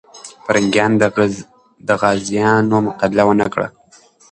پرنګیان د غازيانو مقابله ونه کړه.